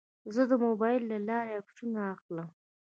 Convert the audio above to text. زه د موبایل له لارې عکسونه اخلم.